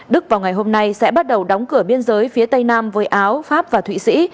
đức vào ngày hôm nay sẽ bắt đầu đóng cửa biên giới phía tây nam với áo pháp và thụy sĩ